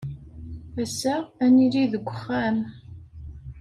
Ass-a, ad nili deg uxxam.